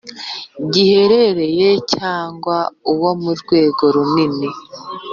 giherereye cyangwa uwo ku rwego runini